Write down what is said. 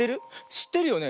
しってるよね。